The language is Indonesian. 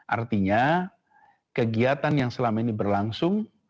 artinya kegiatan yang selama ini berlangsung